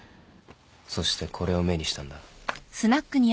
そしてこれを目にしたんだ。